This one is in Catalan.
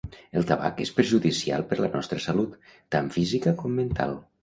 El tabac és perjudicial per la nostra salut, tant física com mental.